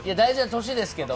大事な年ですけど。